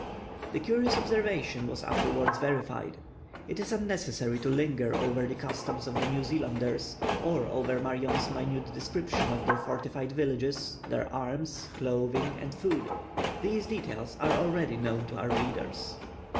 This curious observation was afterwards verified. It is unnecessary to linger over the customs of the New Zealanders, or over Marion's minute description of their fortified villages, their arms, clothing and food; these details are already known to our readers.